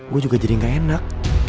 gua juga jadi ga enak